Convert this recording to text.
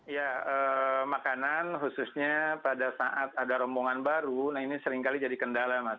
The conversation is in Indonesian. ya makanan khususnya pada saat ada rombongan baru nah ini seringkali jadi kendala mas